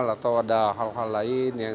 atau ada hal hal lain yang